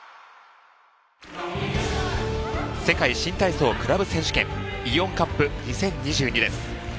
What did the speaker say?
世界新体操クラブ選手権イオンカップ２０２２です。